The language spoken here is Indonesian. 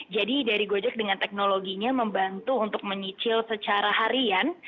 jadi dari gojek dengan teknologinya membantu untuk menyicil secara harian